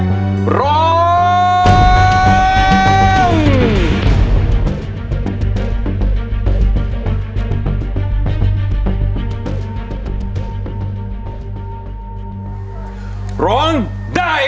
ขอบคุณครับ